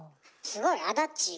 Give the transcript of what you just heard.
すごいあだっちー